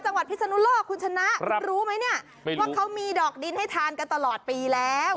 จังหวัดพิษนุโลกคุณชนะครับรู้ไหมเนี่ยไม่รู้ว่าเขามีดอกดินให้ทานกันตลอดปีแล้ว